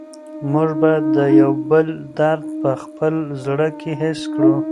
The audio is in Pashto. موږ باید د یو بل درد په خپل زړه کې حس کړو.